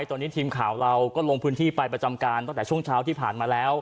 ตอนนี้ทีมข่าวเราก็ลงพื้นที่ไปประจำการตั้งแต่ช่วงเช้าที่ผ่านมาแล้ว